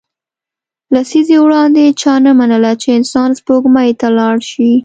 لسیزې وړاندې چا نه منله چې انسان سپوږمۍ ته لاړ شي